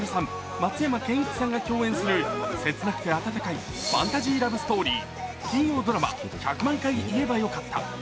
松山ケンイチさんが共演する切なくて温かいファンタジーラブストーリー、金曜ドラマ「１００万回言えばよかった」。